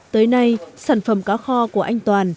tới nay sản phẩm cá kho của anh toàn